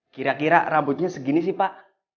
kira kira rambutnya segini sih pak